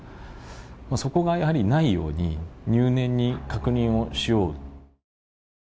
そこがやはりないように入念に確認をしよう。